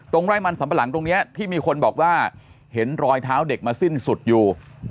ไร่มันสัมปะหลังตรงนี้ที่มีคนบอกว่าเห็นรอยเท้าเด็กมาสิ้นสุดอยู่